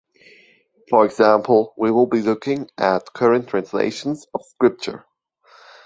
For example, we will be looking at current translations of Scripture